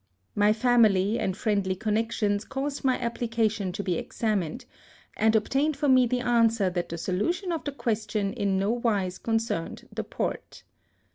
My family and friendly connections caused my application to be examined, and obtained for me the answer that the solution of the question in no wise concerned the Porte.